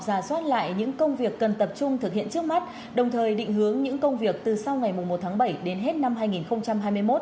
ra soát lại những công việc cần tập trung thực hiện trước mắt đồng thời định hướng những công việc từ sau ngày một tháng bảy đến hết năm hai nghìn hai mươi một